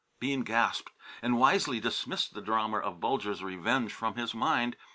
Bean gasped and wisely dismissed the drama of Bulger's revenge from his mind.